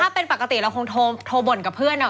ถ้าเป็นปกติเราคงโทรบ่นกับเพื่อน